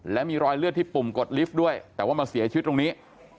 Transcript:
และมีรอยเลือดที่ปุ่มกดลิฟต์ด้วยแต่ว่ามาเสียชีวิตตรงนี้